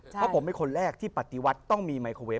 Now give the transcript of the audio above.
เพราะผมเป็นคนแรกที่ปฏิวัติต้องมีไมโครเวฟ